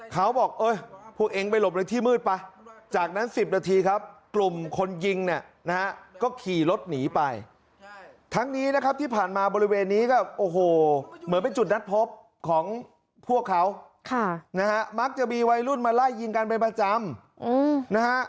ของพวกเขามักจะมีวัยรุ่นมาไล่ยิงกันเป็นประจำ